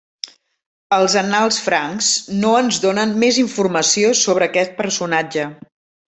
Els annals francs no ens donen més informació sobre aquest personatge.